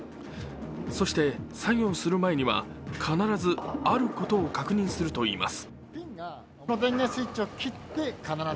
そして、作業する前には必ずあることを確認するといいます。